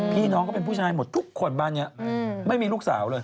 พี่น้องก็เป็นผู้ชายหมดทุกคนบ้านนี้ไม่มีลูกสาวเลย